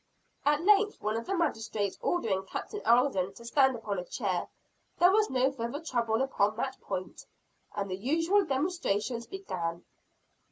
At length one of the magistrates ordering Captain Alden to stand upon a chair, there was no further trouble upon that point; and the usual demonstrations began.